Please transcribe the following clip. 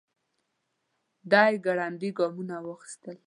دی ګړندي ګامونه واخيستل.